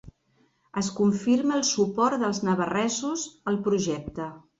Es confirma el suport dels navarresos al projecte.